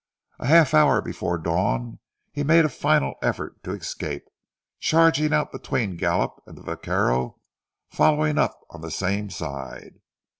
A half hour before dawn, he made a final effort to escape, charging out between Gallup and the vaquero following up on the same side.